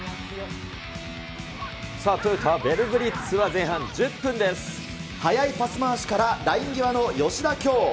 トヨタヴェルブリッツは前半速いパス回しから、ライン際の吉田杏。